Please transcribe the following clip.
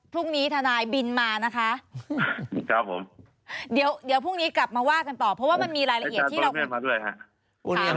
พรุ่งนี้ทนายบินมานะคะพรุ่งนี้กลับมาว่ากันต่อเพราะมีรายละเอียดที่เราอาจารย์ประมาเมฆมาด้วยค่ะ